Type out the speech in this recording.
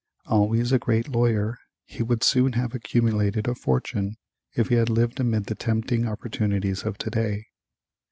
Always a great lawyer, he would soon have accumulated a fortune if he had lived amid the tempting opportunities of to day.